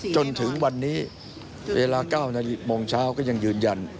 จนถึงวันนี้เวลา๙โมงเช้าก็ยังยืนยัน